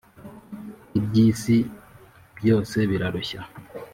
iby’isi byose birarushya